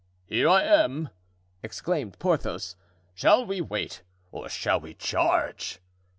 "Here I am!" exclaimed Porthos. "Shall we wait, or shall we charge?"